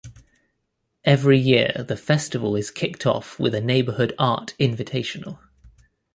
Every year the festival is kicked off with a neighborhood art invitational.